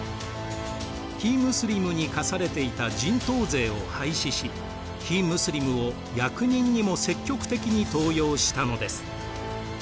非ムスリムに課されていた人頭税を廃止し非ムスリムを役人にも積極的に登用したのです。